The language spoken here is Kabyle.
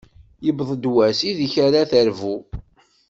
Yewweḍ wass ideg ara terbu.